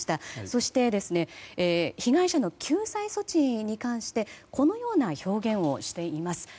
そして被害者の救済措置に関してこのような表現をしています。